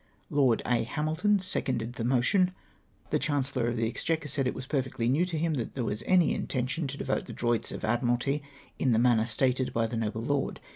" LoitD A. Hamilton seconded the motion. " The CiiANCELLoii of the Exchequer said it Avas perfectly new to him that tliere was any intention to devote tlie Droits ol Admiralty in the manner stated by the noble lord.